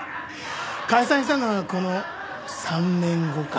解散したのはこの３年後か。